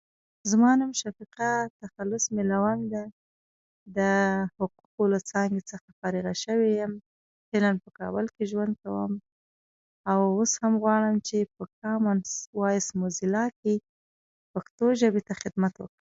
زما نوم شفیقه، تخلص مې لوتکه، د حقوقو له څانګې څخه فارغه شوې یم. فعلاً په کابل کې ژوند کوم او اوس هم غواړم چې په کامن وایس موزیلا کې پښتو ژبې ته خدمت وکړم.